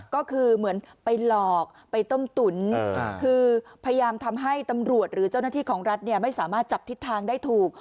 ก็คือเหมือนไปหลอกไปต้มตุ๋นคือพยายามทำให้ตำรวจหรือเจ้าหน้าที่ของรัฐไม่สามารถจับทิศทางได้ถูก